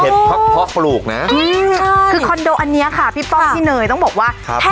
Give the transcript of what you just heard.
ไม่ต้องค่ะ